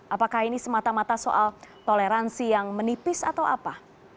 apakah ini semata mata soal toleransi yang menipis atau apa